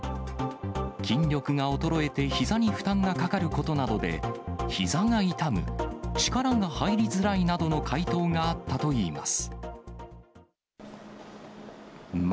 筋力が衰えて、ひざに負担がかかることなどで、ひざが痛む、力が入りづらいなどの回答があったといいます。